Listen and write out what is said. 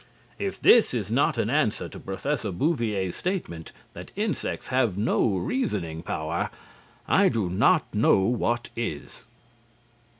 If this is not an answer to Professor Bouvier's statement that insects have no reasoning power, I do not know what is.